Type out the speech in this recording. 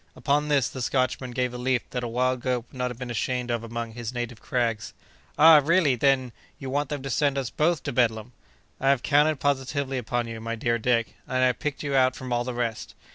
Upon this, the Scotchman gave a leap that a wild goat would not have been ashamed of among his native crags. "Ah! really, then, you want them to send us both to Bedlam!" "I have counted positively upon you, my dear Dick, and I have picked you out from all the rest."